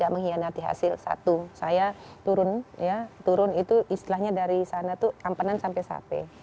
berarti hasil satu saya turun turun itu istilahnya dari sana itu kampenan sampai sape